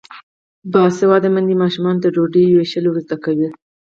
باسواده میندې ماشومانو ته ډوډۍ ویشل ور زده کوي.